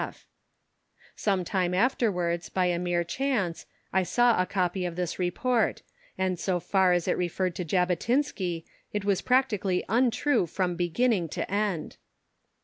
E.F. Sometime afterwards, by a mere chance, I saw a copy of this report, and so far as it referred to Jabotinsky, it was practically untrue from beginning to end.